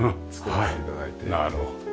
なるほど。